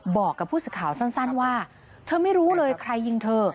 บอกกับผู้สื่อข่าวสั้นว่าเธอไม่รู้เลยใครยิงเธอ